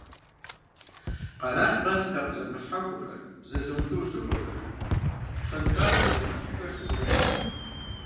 Къэрал къэс лъэпкъ зэпэщхьэхуэхэр, бзэ зэмылӏэужьыгъуэхэр, щэнхабзэ зэмыщхьхэр щызэрохьэлӏэ.